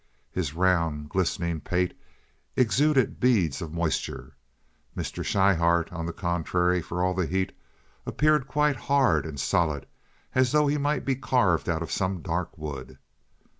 His round, glistening pate exuded beads of moisture. Mr. Schryhart, on the contrary, for all the heat, appeared quite hard and solid, as though he might be carved out of some dark wood.